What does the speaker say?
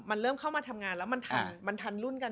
มันเริ่มเข้ามาทำงานแล้วมันทันรุ่นกัน